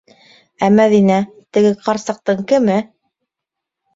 Ә Мәҙинә... теге ҡарсыҡтың кеме?